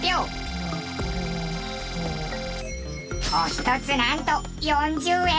おひとつなんと４０円！